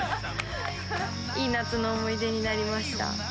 いい夏の思い出になりました。